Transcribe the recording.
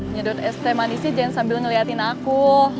ngedot es teh manisnya jangan sambil ngelihatin aku